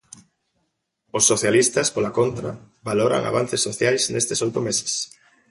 Os socialistas, pola contra, valoran avances sociais nestes oito meses.